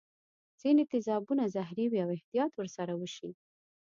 ځیني تیزابونه زهري وي او احتیاط ور سره وشي.